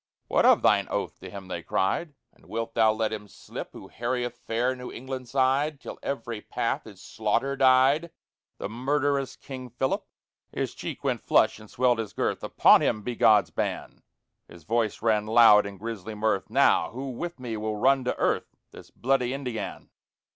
What of thine oath? to him they cried, _And wilt thou let him slip Who harrieth fair New England side Till every path is slaughter dyed, The murderous King Philip!_ His cheek went flush and swelled his girth; Upon him be God's ban! His voice ran loud in grisly mirth: _Now, who with me will run to earth This bloody Indiàn?